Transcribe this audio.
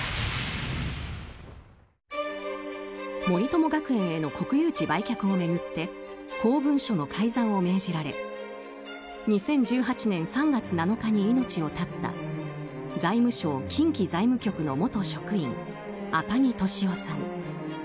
森友学園への国有地売却を巡って公文書の改ざんを命じられ２０１８年３月７日に命を絶った財務省近畿財務局の元職員赤木俊夫さん。